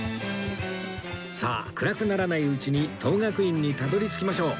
さあ暗くならないうちに等覚院にたどり着きましょう